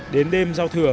đến đêm giao thừa